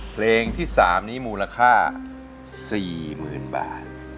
เพลงที่สามนี้มูลค่าสี่หมื่นบาท